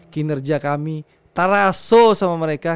kinerja kami taraso sama mereka